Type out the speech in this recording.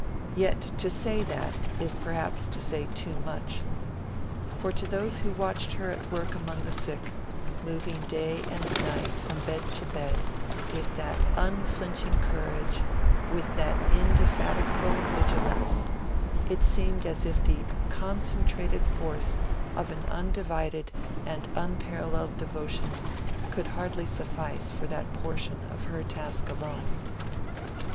Yet to say that, is perhaps to say too much. For to those who watched her at work among the sick, moving day and night from bed to bed, with that unflinching courage, with that indefatigable vigilance, it seemed as if the concentrated force of an undivided and unparalleled devotion could hardly suffice for that portion of her task alone.